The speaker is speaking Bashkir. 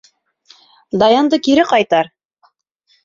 Даяныңды кире ҡайтар.